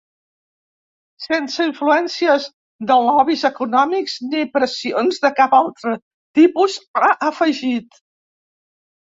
Sense influències de lobbies econòmics ni pressions de cap altre tipus, ha afegit.